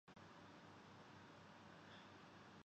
اس نے کچھ سنا ہی نہیں ہو۔